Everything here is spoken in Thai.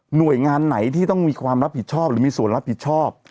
หน่วยงานไหนที่ต้องมีความรับผิดชอบหรือมีส่วนรับผิดชอบ